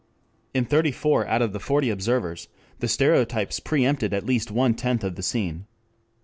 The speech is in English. In thirty four out of the forty observers the stereotypes preempted at least one tenth of the scene.